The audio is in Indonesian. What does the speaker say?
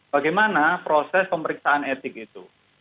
bagaimana proses pemeriksaan etik itu